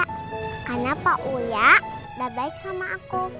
karena pak uya udah baik sama aku